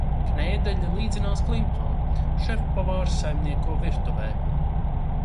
Knēdeļi līdzinās klimpām. Šefpavārs saimnieko virtuvē.